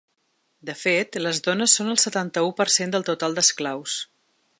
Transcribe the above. De fet, les dones són el setanta-u per cent del total d’esclaus.